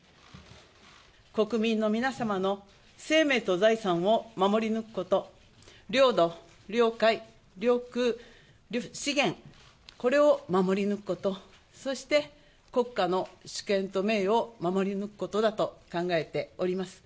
国民の皆様の生命と財産を守り抜くこと、領土、領海、領空、資源、これを守り抜くこと、そして、国家の主権と名誉を守り抜くことだと考えております。